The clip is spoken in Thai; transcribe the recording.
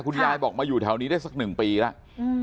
คุณยายบอกมาอยู่แถวนี้ได้สักหนึ่งปีแล้ว